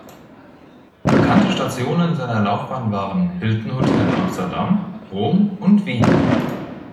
Bekannte Stationen seiner Laufbahn waren Hilton Hotel Amsterdam, Rom und Wien.